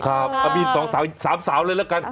ค่ะมี๒สาวอีก๓สาวเลยแล้วกัน